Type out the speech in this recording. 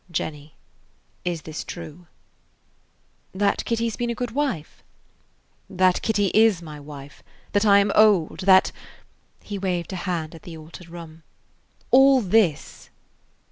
"Jenny, is this true?" "That Kitty 's been a good wife?" "That Kitty is my wife, that I am old, that"–he waved a hand at the altered room–"all this."